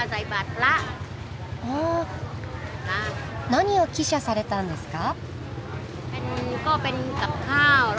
あ何を喜捨されたんですか？